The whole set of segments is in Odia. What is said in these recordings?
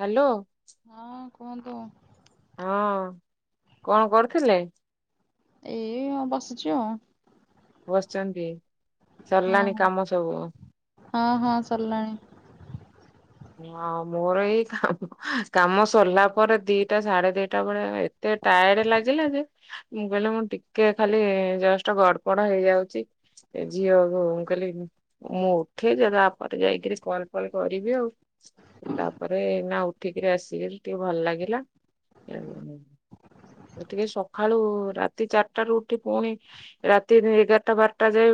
ହ୍ୟାଲୋ ହଁ କୁହନ୍ତୁ? ହଁ କଣ କରୁଥିଲେ? ଏଇ ହ ବସିଛିୁ ଆଉ। ବସିଚନ୍ତି ହଁ ସରିଲାଣିି କାମ ସବୁ? ହଁ ହଁ ସରିଲାଣି। ହଁ ମୋର ଏଇ କାମ କାମ ସରିଲା ପରେ ଦିଟା ସାଢେ ଦିଟା ବେଳେ ଏତେ ଟାଏଡ ଲାଗିଲା ଯେ ମୁଁ କହିଲେ ମୁଁ ଟିକେ ଖାଲି ଜେଷ୍ଟ୍ ଗଡପଡ୍ ହେଇଯାଉଚି। ଏ ଝିଅକୁ କହିଲି ମୁଁ ଉଠେ ଯାଇ ତାପରେ ଯାଇକିରି କଲ୍ ଫଲ୍ କରିବି ଆଉ। - ତା ପରେ ନା ଉଠିକିରି ଆସିଲି ଟିକେ ଭଲ ଲାଗିଲା। ଟିକେ ସକାଳୁ ରାତି ଚାରିଟାରୁ ଉଠି ପୁଣି ରାତି ଏଗାରଟା ବାରଟା ଯାଏ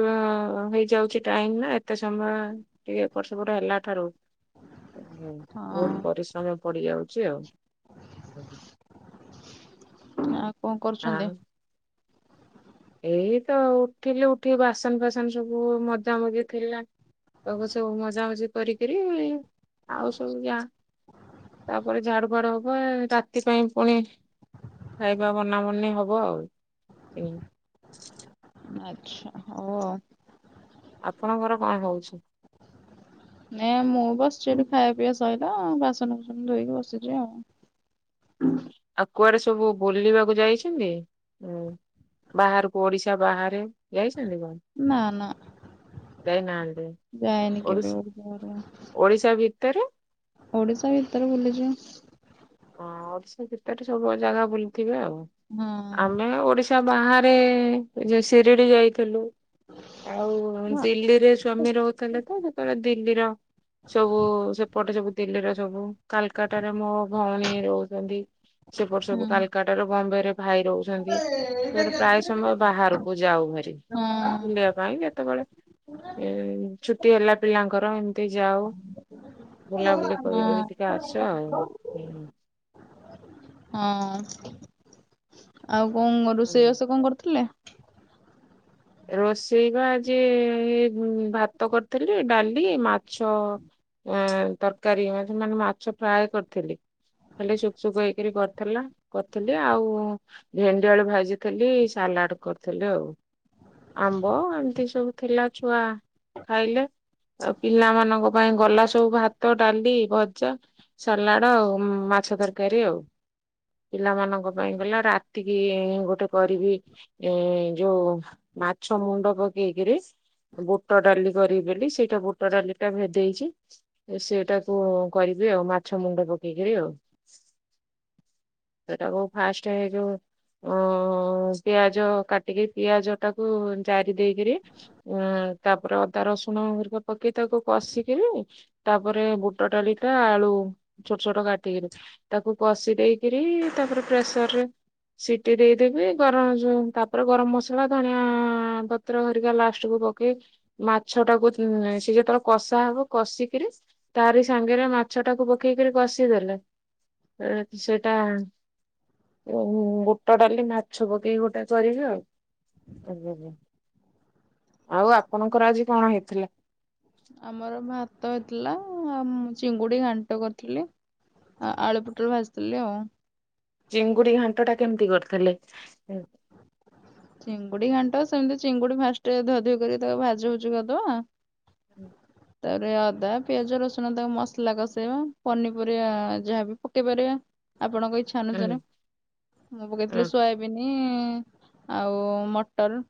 ହେଇଯାଉଛଚି ନା ଟାଇମ ନା ଏତେ ସମୟ ଟିକେ ଏପଟ୍ ସେପଟ୍ ହେଲା ଠାରୁ ହଁ ବହୁତ ପରିଶ୍ରମ ପଡିଯାଉଚି ଆଉ। ଆଉ କଣ କରୁଛନ୍ତି? ଆଉ ଏଇ ତ ଉଠିଲି ଉଠି ବାସନ ଫାସନ ସବୁ ମଜାମଜି ଥିଲା। ତାକୁ ସବୁ ମଜାମଜି କରିକିରି ଆଉ ସବୁ ଯା। ତାପରେ ଝାଡୁ ଫାଡୁ ହବ ରାତି ପାଇଁ ପୁଣି ଖାଇବା ବନା ବନି ହବ ଆଉ। ଆଚ୍ଛା ହଉ ଆଉ। ଆପଣଙ୍କର କଣ ହଉଛି? ନାଇଁ ମୁଁ ବସିଛି ଏଇଠି ଖାଇବା ପିଇବା ସଇଲା ବାସନ କୁସନ ଧୋଇକି ବସିଛି ଆଉ। ଆଉ କୁଆଡେ ସବୁ ବୁଲିବାକୁ ଯାଇଛନ୍ତି? ହୁଁ। ବାହାରକୁ ଓଡିଶା ବାହାରେ ଯାଇଛନ୍ତି କଣ? ନା ନା। ଯାଇ ନାହାନ୍ତି। ଯାଇନି କେବେ ଓଡ଼ିଶା ବାହାରକୁ। ଓଡିଶା ଭିତରେ ଓଡିଶା ଭିତରେ ବୁଲିଛି ମୁଁ। ହଁ ଓଡିଶା ଭିତରେ ସବୁ ଜାଗା ବୁଲିଥିବେ ଆଉ। ହଁ ଆମେ ଓଡିଶା ଶା ବାହାରେ ଯୋଉ ଶିରିଡି ଯାଇଥିଲୁ। ଆଉ ହୁଁ। ଦିଲ୍ଲୀରେ ସ୍ଵାମୀ ରହୁଥିଲେ ତ ସେତେବେଳେ ଦିଲ୍ଲୀର ସବୁ ସେପଟେ ସବୁ ଦିଲ୍ଲୀରେ ସବୁ କାଲ୍କାଟାରେ ମୋ ଭଉଣୀ ରହୁଛନ୍ତି। ସେପଟେ ହଁ ସବୁ ହଁ। କାଲକାଟାରେ ବମ୍ବେ ରେ ଭାଇ ରହୁଛନ୍ତି। କୁଆଡେ ପ୍ରାୟ ସମୟ ବାହାରକୁ ଯାଉ ଭାରି ହଁ ବୁଲିବା ପାଇଁ କେତେବଳେ ଏ ଛୁଟି ହେଲା ପିଲାଙ୍କର ଏମତି ଯାଉ। ବୁଲାବୁଲି କରି କରି ଟିକେ ଆସ ଆଉ ହୁଁ। ହଁ, ଆଉ କଣ ରୋଷେଇ ହୁଁ। ବାସ କଣ କରୁଥିଲେ? ରୋଷେଇ ବା ଆଜି ଭାତ କରିଥିଲି ଡାଲି, ମାଛ। ଆଁ ତରକାରୀ ମାନେ ମାଛ ଫ୍ରାଏ କରିଥିଲି। ଖାଲି ସୁଖ ସୁୁଖ ହେଇକରି କରିଥିଲା କରିଥିଲି ଆଉ। ଭେଣ୍ଡିଆଳୁ ଭାଜିଥିଲି ସାଲାଡ କରିଥିଲି ଆଉ। ଆମ୍ବ ଏମିତି ସବୁ ଥିଲା ଛୁଆ ଖାଇଲେ। ଆଉ ପିଲାମାନଙ୍କ ପାଇଁ ଗଲା ସବୁ ଭାତ, ଡାଲି, ଭଜା। ସାଲାଡ ଆଉ ମାଛ ତରକାରୀ ଆଉ। ପିଲାମାନଙ୍କ ପାଇଁ ଗଲା ରାତିକି ଗୋଟେ କରିବି ଏ ଯୋଉ ମାଛ ମୁଣ୍ଡ ପକେଇକିରି ବୁଟ ଡାଲି କରିବି ବେଲି ସେଇଟା ବୁଟ ଡାଲି ଟା ଭେଦେଇଛି। ଏ ସେଟାକୁ କରିବି ଆଉ ମାଛ ମୁଣ୍ଡ ପକେଇ କରି ଆଉ। ସେଟାକୁ ଫାଷ୍ଟ ହେଇଯୋଉ ଅ ପିଆଜ କାଟିକି ପିଆଜ ତାକୁ ଜାରି ଦେଇକିରି ଅଁ ତାପରେ ଅଦା ରସୁଣ ହେରିକା ପକେଇ ତାକୁ କଷିକିରି ତାପରେ ବୁଟ ଡାଲିଟା ଆଳୁ ଛୋଟ ଛୋଟ କାଟିକିରି। ତାକୁ କଶି ଦେଇକିରି ତାପରେ ପ୍ରେସର ରେ ସିଟି ଦେଇଦେବି ଗରମ ଯଉ ତାପରେ ଗରମ ମସଲା ଧନିଆ ପତ୍ର ହେରିକା ଲାଷ୍ଟକୁୁ ପକେଇକି ମାଛଟାକୁ ସେ ଯେତେବେଳେ କଷା ହବ କଷିକିରି ତାରି ସାଙ୍ଗରେ ମାଛ ଟାକୁ ପକେଇକି କଷିଦେଲେ ଏଁ ସେଇଟା ବୁଟ ଡାଲି ମାଛ ପକେଇକି ଗୋଟା ଚରିବି ଆଉ। ଆଉ ଆପଣଙ୍କର ଆଜି କଣ ହେଇଥିଲା? ଆମର ଭାତ ହେଇଥିଲା, ଆମେ ଚିଙ୍ଗୁଡି ଘାଣ୍ଟ କରିଥିଲୁ। ଆ ଆଳୁ ପୋଟଳ ଭାଜିଥିଲି ଆଉ। ଚିଙ୍ଗୁଡି ଘାଣ୍ଟଟା କେମିତି କରିଥିଲେ? ଚିଙ୍ଗୁଡି ଘାଣ୍ଟ ସେମିତି ଚିଙ୍ଗୁଡି ଫାଷ୍ଟରେ ଧୁଆ ଧୁଇ କରି ତାକୁ ଭାଜି ଭୁଜି କରିଦବା। ତା ପରେ ଅଦା, ପିଆଜ, ରସୁଣ ତାକୁ ମସଲା କଷେଇବା, ପନିପରିବା ଯାହା ବି ପକେଇ ପାରିବା। ଆପଣଙ୍କ ଇଚ୍ଛା ଅନୁସାରେ ମୁଁ ପକେଇଥିଲି ହଁ ସୋୟା ଉଁ ଆଉ ମଟର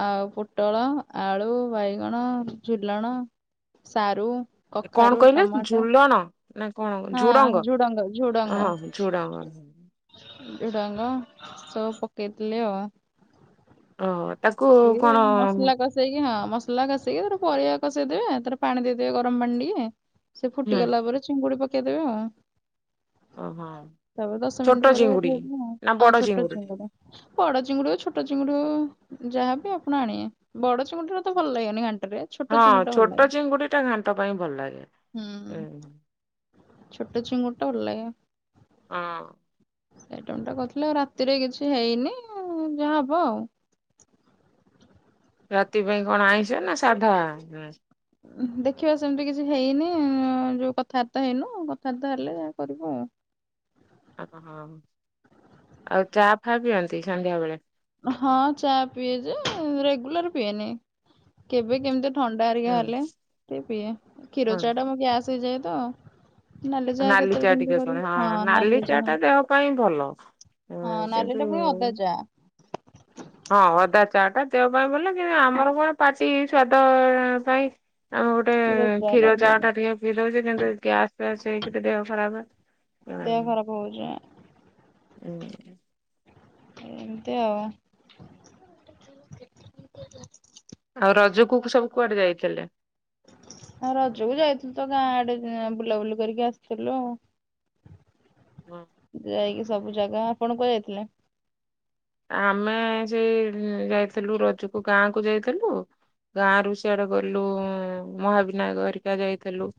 ଆଉ ପୋଟଳ, ଆଳୁ, ବାଇଗଣ, ଝୁଲଣ ସାରୁ କଣ କଖାରୁ, କହିଲେ ଟମାଟୋ। ଝୁଲଣ ନା କଣ ହଁ, ଝୁଡଙ୍ଗ? ଝୁଡ଼ଙ୍ଗ ଝୁଡ଼ଙ୍ଗ ହଁ ଝୁଡଙ୍ଗ। ଝୁଡ଼ଙ୍ଗ ସବୁ ପକେଇଥିଲି ଆଉ। ଓହୋ ତାକୁ କଣ ସେଇକିନା ମସଲା କଷେଇକି ଟିକେ ପରିବା କଷେଇ ଦେବେ। ତା ପରେ ପାଣି ଦେଇ ଦେବେ ଗରମ ପାଣି ଟିକେ। ସେ ହୁଁ ଫୁଟିଗଲା ପରେ ଚିଙ୍ଗୁଡି ପକେଇ ଦେବେ ଆଉ। ଓହୋ ତାପରେ ଦଶ ଛୋଟ ମିନିଟ୍ ପରେ ଚିଙ୍ଗୁଡି। ଓହ୍ଲେଇ ଦେବେ ଆଉ। ନା ହଁ ବଡ ଛୋଟ ଚିଙ୍ଗୁଡି ଚିଙ୍ଗୁଡ଼ି। ବଡ ଚିଙ୍ଗୁଡି ହଉ ଛୋଟ ଚିଙ୍ଗୁଡ଼ି ହଉ ଯାହାବି ଆପଣ ଆଣିବେ। ବଡ ଚିଙ୍ଗୁଡ଼ି ତ ମୋତେ ଭଲ ଲାଗେନି ଘାଣ୍ଟରେ। ଛୋଟ ହଁ, ଚିଙ୍ଗୁଡିଟା ଭଲ ଛୋଟ ଲାଗେ। ଚିଙ୍ଗୁଡିଟା ଘାଣ୍ଟ ପାଇଁ ଭଲ ଲାଗେ। ଉଁ। ହୁଁ ଛୋଟ ଚିଙ୍ଗୁଡ଼ିଟା ଭଲ ଲାଗେ। ହଁ। ସେଇ ଆଇଟମଟା କରିଥିଲି, ରାତିରେ କିଛି ହେଇନି ଆଉ ଯାହା ହବ ଆଉ। ରାତି ପାଇଁ କଣ ଆଇଁଷ ନା ସାଧା? ଦେଖିବା ସେମତି କିଛି ହେଇନି, ଯୋଉ କଥାବାର୍ତ୍ତା ହେଇନୁ, କଥାବାର୍ତ୍ତା ହେଲେ ଯାହା କରିବୁ ଆଉ। ଓହୋ ଆଉ ଚା ଫା ପିଅନ୍ତି ସନ୍ଧ୍ୟାବେଳେ। ହଁ, ଚା ପିଏ ଯେ ରେଗୁଲାର ପିଏନି କେବେ କେମିତି। ଥଣ୍ଡା ହଁ ହେରିକା ହେଲେ ଟିକେ ପିଏ। କ୍ଷୀର ହଁ। ଚା ଟା ମୋ ଗ୍ୟାସ୍ ହେଇଯାଏ ତ। ନାଲି ଚାହା ଚା କେତେବେଳେ ଟିକେ କେମିତି ଶୁଣେ ହଁ ନାଲି ଚା କରିବୁ? ଟା ଦେହ ପାଇଁ ଭଲ। ହଁ, ନାଲିରେ ପୁଣି ଅଦା ଚା। ହଁ, ଅଦା ଚା ଟା ଦେହ ପାଇଁ ଭଲ କିନ୍ତୁ ଆମର କଣ ପାଟି ସ୍ଵାଦ ପାଇଁ? ଆମେ ଗୋଟେ କ୍ଷୀର ଚା ଟା ଟିକେ ପିଇ ଦଉଚେ କିନ୍ତୁ ଗ୍ୟାସ୍ ଫ୍ୟାସ୍ କିନ୍ତୁ ଦେହ ଖରାପ। ହଉ ଯା। [inaudible] ଏମ୍ତି ଆଉ। ଆଉ ରଜକୁ ସବୁ କୁଆଡେ ଯାଇଥିଲେ? ଆଉ ରଜକୁ ଯାଇଥିଲୁ ତ ଗାଁ ଆଡେ ବୁଲାବୁଲି କରିକି ଆସିଥିଲୁ ଆଉ। [inaudible] ଯାଇକି ସବୁ ଜାଗା। ଆପଣ କୁଆଡେ ଯାଇଥିଲେ? ଆମେ ସେଇ ଯାଇଥିଲୁ ରଜୁକୁ ଗାଁକୁ ଯାଇଥିଲୁ। ଗାଁ ରୁ ସିଆଡେ ଗଲୁ ମହାବିନାୟକ ହେରିକା ଯାଇଥିଲୁ।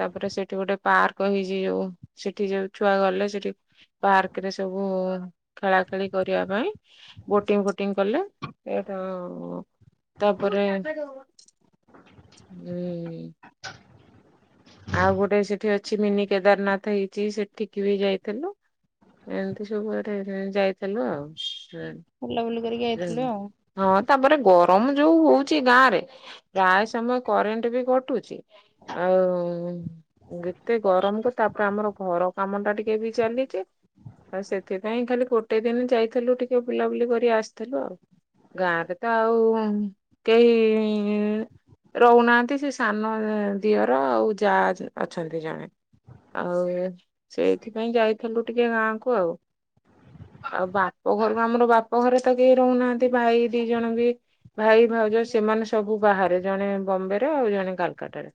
ତା ପରେ ସେଠି ଗୋଟେ ପାର୍କ ହେଇଛି ଯୋଉ, ସେଠି ଯୋଉ ଛୁଆ ଗଲେ ସେଠି ପାର୍କ ରେ ସବୁ ଖେଳା ଖେଳି କରି ଟିବା ପାଇଁ ବୋଟିଂ ଫୋଟିଂ କଲେ ସେଟା ତାପରେ ହୁଁ ଆଉ ଗୋଟେ ସେଠି ଅଛି ମିନି କେଦାରନାଥ ହେଇଛି ସେଠିକି ବି ଯାଇଥିଲୁ ଏମିତି ସବୁ ଏଠି ଯାଇଥିଲୁ ଆଉ ବୁଲାବୁଲି କରିକି ଆଇଥିଲୁ ଆଉ ହଁ ତାପରେ ଗରମ ଯୋଉ ହଉଛି ଗାଁ ରେ ପ୍ରାୟ ସମୟ କରେଣ୍ଟ ବି କଟୁଛି ଆଉ ଗେତେ ଗରମ କୁ ତାପ ଆମର ଘର କାମ ଟା ଟିକେ ବି ଚାଲିଛି ଆଉ ସେଥିପାଇଁ ଖାଲି ଗୋଟେ ଦିନ ଯାଇଥିଲୁ ଟିକେ ବୁଲାବୁଲି କରି ଆସିଥିଲୁ ଆଉ ଗାଁରେ ତ ଆଉ କେହି ଇ ରହୁନାହାନ୍ତି ସେ ସାନ ଦିଅର ଆଉ ଯା ଅଛନ୍ତି ଜଣେ ଆଉ ସେଇଥିପାଇଁ ଯାଇଥିଲୁ ଟିକେ ଗାଁ କୁ ଆଉ ଆଉ ବାପ ଘରୁ ଆମର ବାପ ଘରେ ତ କେହି ରହୁନାହାନ୍ତି ଭାଇ ଦି ଜଣ ବି ଭାଇ ଭାଉଜ ସେମାନେ ସବୁ ବାହାରେ ଜଣେ ବମ୍ବେରେ ଆଉ ଜଣେ କାଲକାଟାରେ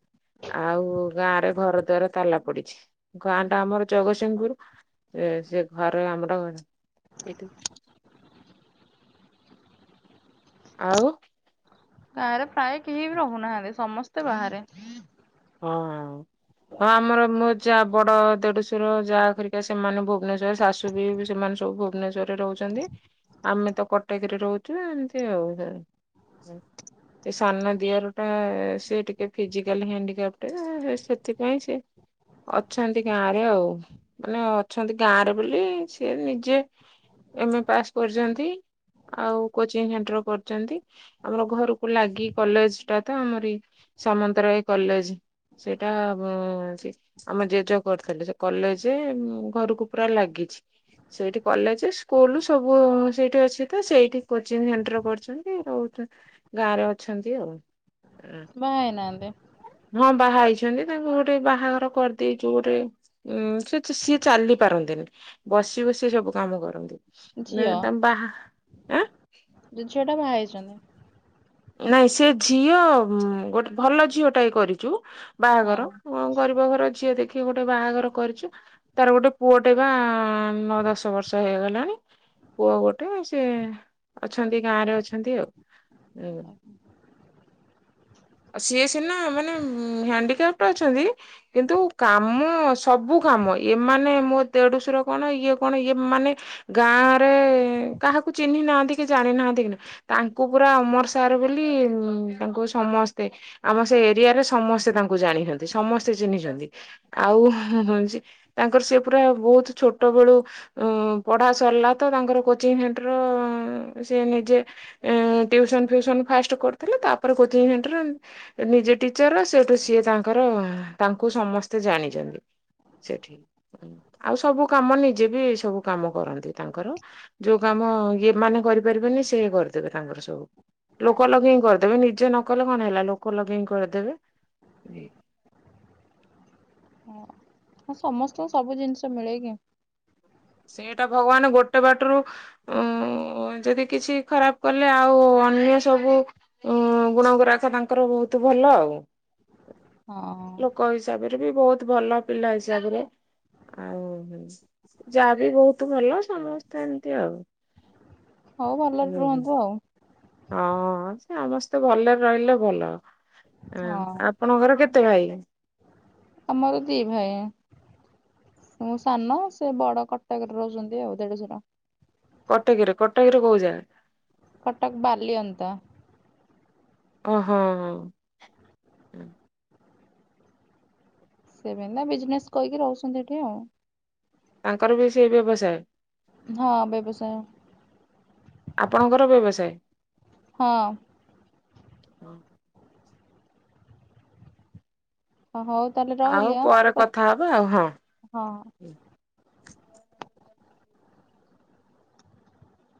ଆଉ କୋଉ ଗାଁ ରେ ଘର ଦ୍ୱାର ତାଲା ପଡିଛି ଗାଁ ଟା ଆମର ଜଗତସିଂହପୁର ସେ ଘରେ ଆମର ଆଉ ଗାଁରେ ପ୍ରାୟ କେହି ବି ରହୁନାହାନ୍ତି ସମସ୍ତେ ବାହାରେ ହଁ ହଁ ଆମର ମୋ ଯାହା ବଡ ଦେଢଶର ଯାହାଖରିକା ସେମାନେ ଭୁବନେଶ୍ଵର ଶାଶୁ ବି ସେମାନେ ସବୁ ଭୁବନେଶ୍ରରେ ରହୁଛନ୍ତି ଆମେ ତ କଟକରେ ରହୁଛୁ ଏମିତି ଆଉ ଏ ସାନ ଦିଅର ଟା ସେ ଟିକେ ଫିଜିକାଲି ହିଣ୍ଡ ଗେଟେ ସେଥିପାଇଁ ସେ ଅଛନ୍ତି ଗାଁ ରେ ଆଉ ମାନେ ଅଛନ୍ତି ଗାଁ ରେ ବୋଲି ସିଏ ନିଜେ ଏମେ ପାସ୍ କରିଛନ୍ତି ଆଉ କୋଚିଂ ସେଣ୍ଟର କରିଛନ୍ତି ଆମର ଘରକୁ ଲାଗି କଲେଜ ଟା ତ ଆମର ସାମନ୍ତରାୟ କଲେଜ ସେଇଟା ଉ ଆମ ଜେଜେ କରିଥିଲେ ସେ କଲେଜ ଘରକୁ ପୁରା ଲାଗିଛି ସେଇଠି କଲେଜ ସ୍କୁଲ ସବୁ ସେଇଠି ଅଛି ତ ସେଇଠି କୋଚିଂ ସେଣ୍ଟର ପଢଛନ୍ତି ରହୁ ଗାଁ ରେ ଅଛନ୍ତି ଆଉ ବାହାହେଇନାହାନ୍ତି ହଁ ବାହା ହେଇଛନ୍ତି ତାଙ୍କୁ ଗୋଟେ ବାହାଘର କରିଦେଇଛୁ ଗୋଟେ ଉୁଁ ସେ ସିଏ ଚାଲି ପାରନ୍ତିନି ବସି ବସି ସବୁ କାମ କରନ୍ତି ଏ ଝିଅ ତା ବାହାଁ ଆ ଯୋ ଝିଅ ଟା ବାହା ହେଇଛନ୍ତି ନାଇଁ ସେ ଝିଅ ଗୋଟେ ଭଲ ଝିଅ ଟା ଏ କରିଛୁ ହୁଁ ବାହାଘର ଗରିବ ଘର ଝିଅ ଦେଖି ଗୋଟେ ବାହାଘର କରିଛୁ ତାର ଗୋଟେ ପୁଅଟେ ବା ନଅ ଦଶ ବର୍ଷ ହେଇଗଲାଣି ପୁଅ ଗୋଟେ ସେ ଅଛନ୍ତି ଗାଁରେ ଅଛନ୍ତି ଆଉ ହୁଁ ଆ ସିଏ ସିନା ମାନେ ହ୍ୟାଣ୍ଡିକାପ୍ଟ ଅଛନ୍ତି କିନ୍ତୁ କାମ ସବୁ କାମ ଏ ମାନେ ମୋ ଦେଡୁଶର କଣ ଇଏ କଣ ଇଏ ମାନେ ଗାଁ ରେ କାହାକୁ ଚିହ୍ନି ନାହାନ୍ତି କି ଜାଣି ନାହାଁନ୍ତି କି ନା ତାଙ୍କୁ ପୁରା ଅମର ସାର୍ ବୋଲି, ତାଙ୍କୁ ସମସ୍ତ ସେ ଆମ ସେ ଏରିଆ ରେ ସମସ୍ତେ ତାଙ୍କୁ ଜାଣିଛନ୍ତି। ସମସ୍ତେ ଚିହ୍ନିଛନ୍ତି। ଆଉ ହଉଛି, ତାଙ୍କର ସେ ପୁରା ବହୁତ ଛୋଟ ବେଳୁ ପଢା ସରିଲା ତ ତାଙ୍କର କୋଚିଂ ସେଣ୍ଟର, ସେ ନିଜେ ଟ୍ୟୁସନ ଫିସନ ଫାଷ୍ଟ କରିଥିଲେ, ତାପରେ କୋଚ ନିଜେ ଟିଚର, ସେଠୁ ସିଏ ତାଙ୍କର ତାଙ୍କୁ ସମସ୍ତେ ଜାଣିଛନ୍ତି। ସେଠି। ଆଉ ସବୁ କାମ ନିଜେ ବି ସବୁ କାମ କରନ୍ତି ତାଙ୍କର। ଯୋଉ କାମ ଇଏ ମାନେ କରିପାରିବେନି ସେଏ କରିଦେବେ ତାଙ୍କର ସବୁ। ଲୋକ ଲଗେଇ ହିଁ କରିଦେବେ। ନିଜେ ନ କଲେ କଣ ହେଲା ଲୋକ ଲଗେଇ ହିଁ କରିଦେବେ। ହଁ ସମସ୍ତଙ୍କୁ ସବୁ ଜିନିଷ ମିଳେକି? ସେଇଟା ଭଗବାନ ଗୋଟେ ବାଟରୁ ଓ ଯଦି କିଛି ଖରାପ କଲେ, ଆଉ ଅନ୍ୟ ସବୁ ହଁ ଗୁଣ ଗୁରାକ ତାଙ୍କର ବହୁତ ଭଲ ଆଉ। ହଁ ଲୋକ ହିସାବରେ ବି ବହୁତ ଭଲ ପିଲା ହିସାବରେ। ଆଉ ଯାହା ବିି ବହୁତ ଭଲ, ସମସ୍ତେ ଏମତି ଆଉ। ହଉ ଭଲରେ ହୁଁ ରୁହନ୍ତୁ ଆଉ। ହଁ ସେ ସମସ୍ତେ ଭଲରେ ରହିଲେ ଭଲ। ହଁ ଆପଣଙ୍କର କେତେ [unintelligible] ଆମର ଦି ଭାଇ। ମୁ ସାନ, ସେ ବଡ କଟକରେ ରହୁଛନ୍ତି ଆଉ। ଦେଢଶୁର। କଟକରେ, କଟକରେ କହୁ ଜାଗା। କଟକ ବାଲିଅନ୍ତା। ଓହୋ ହଁ ହଁ। ସେ ବିଜନେସ କରିକି ରହୁଛନ୍ତି ଏଠି ଆଉ। ତାଙ୍କର ବି ସେଇ ବ୍ୟବସାୟ। ହଁ ବ୍ୟବସାୟ। ଆପଣଙ୍କର ବ୍ୟବସାୟ। ହଁ। [inaudible] ହ ହଉ ତାହେଲେ ଆଉ ରହିଲି ପରେ ଆଁ। କଥା ହବା ଆଉ ହଁ।